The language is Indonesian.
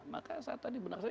maka saya tadi benar saya